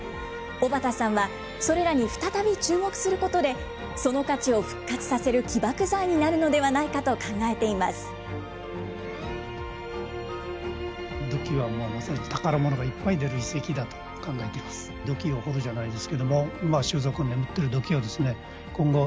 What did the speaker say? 小畑さんは、それらに再び注目することで、その価値を復活させる起爆剤になるのではないかと考えています。